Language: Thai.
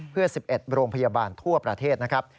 เพื่อ๑๑โรงพยาบาลทั่วประเทศนะครับ